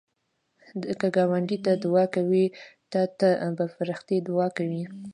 که ګاونډي ته دعا کوې، تا ته به فرښتې دعا کوي